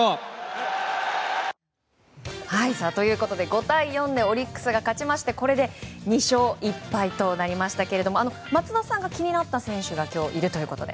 ５対４でオリックスが勝ちましてこれで２勝１敗となりましたけども松田さんが気になった選手が今日、いるということで。